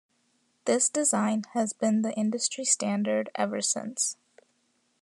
This design has been the industry standard ever since.